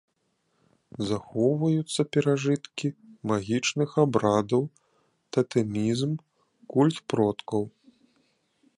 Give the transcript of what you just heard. Захоўваюцца перажыткі магічных абрадаў, татэмізм, культ продкаў.